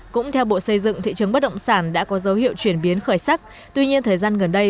cũng theo bộ xây dựng thị trường bất động sản đã có dấu hiệu chuyển biến khởi sắc tuy nhiên thời gian gần đây